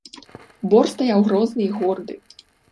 Бор стаяў грозны і горды.